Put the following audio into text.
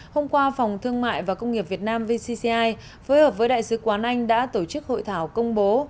hôm qua phòng thương mại và công nghiệp việt nam vcci phối hợp với đại sứ quán anh đã tổ chức hội thảo công bố